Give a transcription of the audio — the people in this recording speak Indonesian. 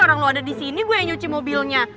orang lo ada disini gue yang nyuci mobilnya